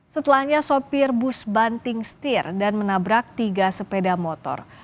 setelahnya sopir bus banting setir dan menabrak tiga sepeda motor